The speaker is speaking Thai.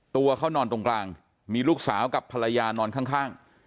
ตัวเขานอนตรงกลางมีลูกสาวกับภรรยานอนข้าง